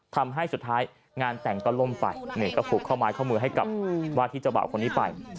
ทำให้สุดท้ายงานแต่งก็ล่มไปนี่ก็ผูกข้อไม้ข้อมือให้กับว่าที่เจ้าบ่าวคนนี้ไป